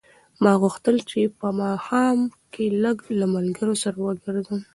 ما غوښتل چې په ماښام کې لږ له ملګرو سره وګرځم.